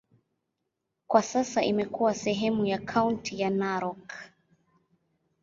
Kwa sasa imekuwa sehemu ya kaunti ya Narok.